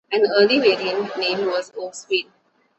An early variant name was Oaksville.